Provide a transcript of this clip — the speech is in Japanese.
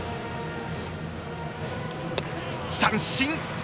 三振！